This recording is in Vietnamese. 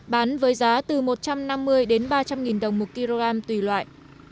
bán với giá từ một trăm năm mươi đến ba trăm linh nghìn đồng một kg tùy loại